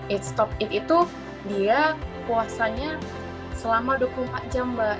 eat stop eat itu dia puasanya selama dua puluh empat jam mbak